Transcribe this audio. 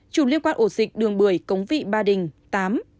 bốn chủng liên quan ổ dịch đường bưởi cống vị ba đình tám